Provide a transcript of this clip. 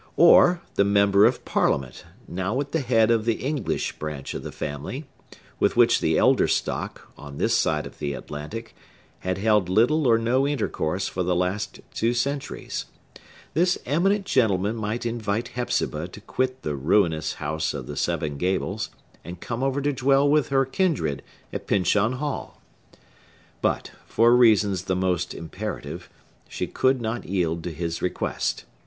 Or the member of Parliament, now at the head of the English branch of the family,—with which the elder stock, on this side of the Atlantic, had held little or no intercourse for the last two centuries,—this eminent gentleman might invite Hepzibah to quit the ruinous House of the Seven Gables, and come over to dwell with her kindred at Pyncheon Hall. But, for reasons the most imperative, she could not yield to his request.